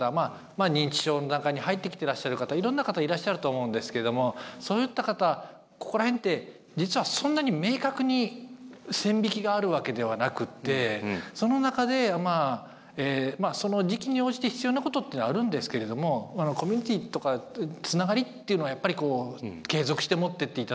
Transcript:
認知症の中に入ってきてらっしゃる方いろんな方いらっしゃると思うんですけどもそういった方ここら辺って実はそんなに明確に線引きがあるわけではなくってその中でその時期に応じて必要なことってのはあるんですけれどもコミュニティーとかつながりっていうのはやっぱりこう継続して持ってって頂く。